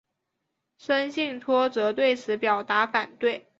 森信托则对此表达反对。